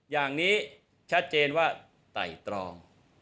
อย่างนี้ชัดเจนว่าไต่ตรอง